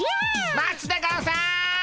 待つでゴンス！